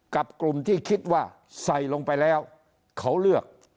กับกลุ่มที่คิดว่าใส่ลงไปแล้วเขาเลือก